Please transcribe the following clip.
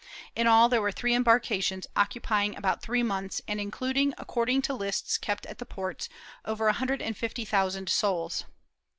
In all there were three embarkations, occupying about three months and including, according to lists kept at the ports, over a hundred and fifty thousand souls.